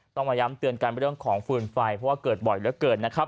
ต้องมาย้ำเตือนกันเรื่องของฟืนไฟเพราะว่าเกิดบ่อยเหลือเกินนะครับ